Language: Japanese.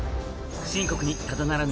秦国にただならぬ